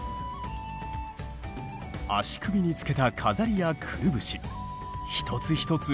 足首につけた飾りやくるぶし一つ一つ